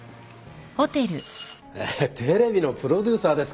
テレビのプロデューサーですか。